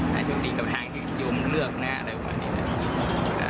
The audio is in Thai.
ให้โยมยกดีกว่าทางที่โยมเลือกนะอะไรแบบนี้นะ